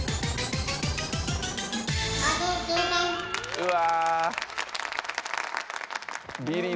うわ。